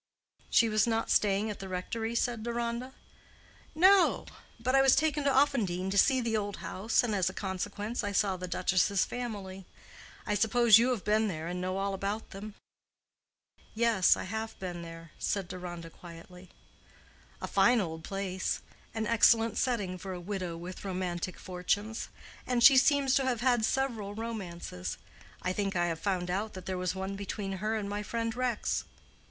"She was not staying at the rectory?" said Deronda. "No; but I was taken to Offendene to see the old house, and as a consequence I saw the duchess' family. I suppose you have been there and know all about them?" "Yes, I have been there," said Deronda, quietly. "A fine old place. An excellent setting for a widow with romantic fortunes. And she seems to have had several romances. I think I have found out that there was one between her and my friend Rex."